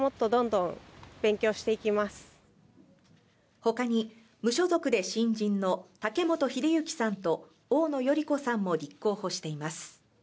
他に無所属で新人の竹本秀之さんと大野頼子さんも立候補しています。